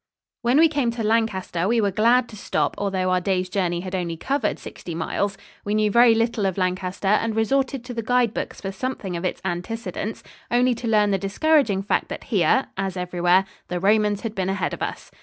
When we came to Lancaster we were glad to stop, although our day's journey had covered only sixty miles. We knew very little of Lancaster and resorted to the guide books for something of its antecedents, only to learn the discouraging fact that here, as everywhere, the Romans had been ahead of us.